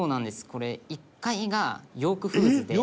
これ１階がヨークフーズで。